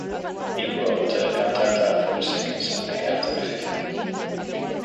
He wrote the cantata for the second Sunday after Epiphany.